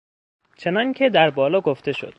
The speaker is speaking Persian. چنانکه در بالا گفته شد